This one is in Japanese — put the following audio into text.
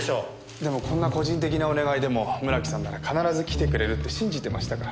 でもこんな個人的なお願いでも村木さんなら必ず来てくれるって信じてましたから。